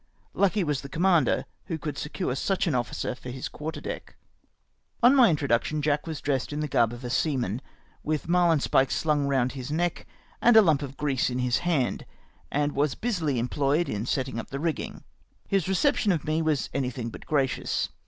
Lucky was the commander who could secure such an officer for his quarter deck. On my introduction, Jack was dressed in the garb • A LIEUTENANT OF THE OLD SCHOOL. 51 of a seaman, with maiiiiispike slung round his neck, and a kimp of grease in his hand, and was busily employed in setting up the rigging. His reception of me was anything but gracious.